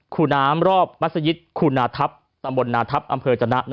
ครูน้ำรอบมัศยิตคูณาทัพตำบลนาทัพอำเภอจนะ